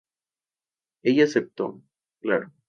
Ella aceptó, claro.